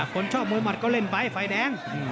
คนชอบมวยมัดก็เล่นไปไฟแดง